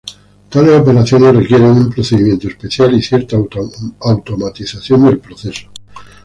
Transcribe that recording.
Tales operaciones requieren un procedimiento especial y cierta automatización del proceso.